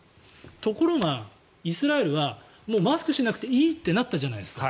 ところが、イスラエルはもうマスクしなくていいってなったじゃないですか。